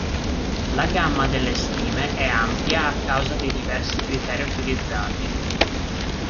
La gamma delle stime è ampia a causa dei diversi criteri utilizzati.